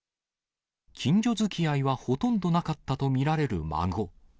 近所づきあいはほとんどなかったと見られる孫。